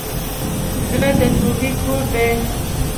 زړه د توبې کور دی.